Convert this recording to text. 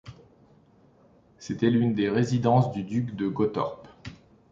C'était l'une des résidences des ducs de Gottorp.